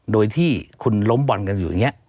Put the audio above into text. โดยที่คุณล้มบอนยุ่งแบบนี้